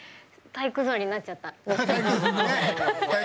体育座りになっちゃったね。